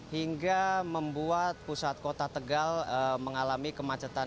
hingga membuat pusat kota tegal mengalami kemacetan